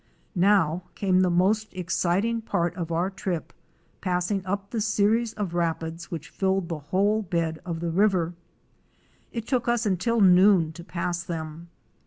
Now came the most exciting part of our trip, passing up the series of rapids which filled the whole bed of the river. It took us until noon to pass them.